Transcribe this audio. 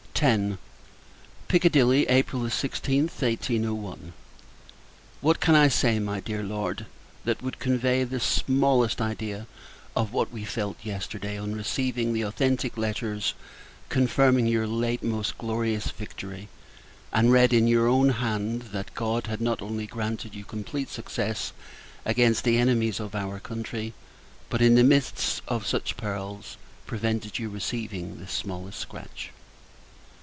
X. Piccadilly, April 16th, 1801. What can I say, my Dear Lord! that would convey the smallest idea of what we felt yesterday, on receiving the authentic letters confirming your late most glorious victory: and read, in your own hand, that God had not only granted you complete success against the enemies of our country; but, in the midst of such perils, prevented your receiving the smallest scratch!